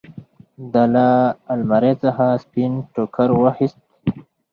ده له المارۍ څخه سپين ټوکر واخېست.